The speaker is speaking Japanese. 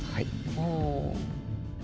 おお。